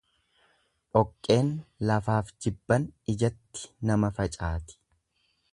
Dhoqqeen lafaaf jibban ijatti nama facaati.